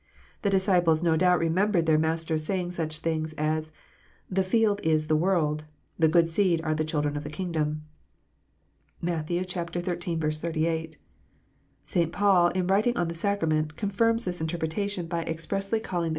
The disciples no doubt remembered their Master saying such things as " The field is the world, the good seed are the children of the kingdom." (Matt. xiii. 38.) St. Paul, in writing on the sacrament, confirms this interpretation by expressly calling the 206 KNOTS UNTIED.